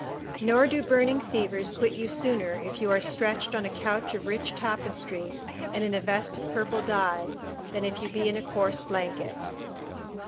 ["Nor do burning fevers quit you sooner if you are stretched on a couch of rich tapestry and in a vest of purple dye, than if you be in a coarse blanket."